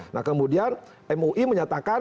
nah kemudian mui menyatakan